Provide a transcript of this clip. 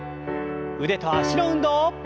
腕と脚の運動。